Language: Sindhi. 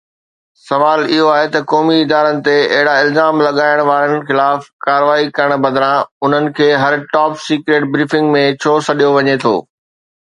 سوال اهو آهي ته قومي ادارن تي اهڙا الزام لڳائڻ وارن خلاف ڪارروائي ڪرڻ بدران انهن کي هر ٽاپ سيڪريٽ بريفنگ ۾ ڇو سڏيو وڃي ٿو؟